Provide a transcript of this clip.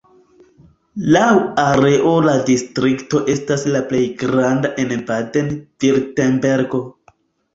Laŭ areo la distrikto estas la plej granda en Baden-Virtembergo.